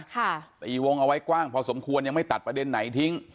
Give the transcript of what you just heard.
ตีวงเอาไว้กว้างพอสมควรยังไม่ตัดประเด็นไหนทิ้ง